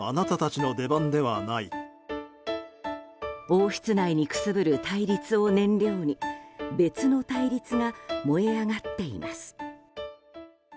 王室内にくすぶる対立を燃料に別の対立が燃え上がっています。